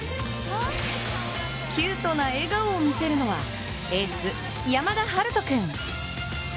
キュートな笑顔を見せるのは、エース山田陽翔君。